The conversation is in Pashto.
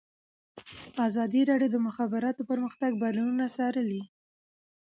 ازادي راډیو د د مخابراتو پرمختګ بدلونونه څارلي.